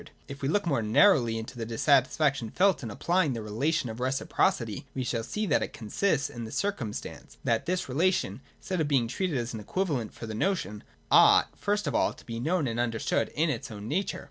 And if we look more narrowly into the dissatisfaction felt in applying the relation of reciprocity, we shall see that it consists in the circumstance, that this relation, instead of being treated as an equivalent for the notion, ought, first of all, to be known and understood in its own nature.